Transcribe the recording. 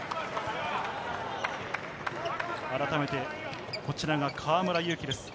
改めて、こちらが河村勇輝です。